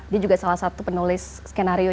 dia juga salah satu penulis skenario